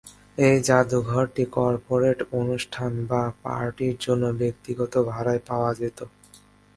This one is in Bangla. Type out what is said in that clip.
এই জাদুঘরটি কর্পোরেট অনুষ্ঠান বা পার্টির জন্য ব্যক্তিগত ভাড়ায় পাওয়া যেত।